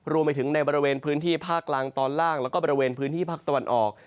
รวมไปถึงในบริเวณพื้นที่ภาคกลางตอนล่างแล้วก็บริเวณพื้นที่ภาคตะวันออก